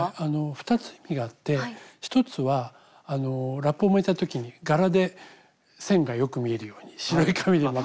２つ意味があって１つはラップを巻いた時に柄で線がよく見えるように白い紙で巻くっていうのが１つの意味です。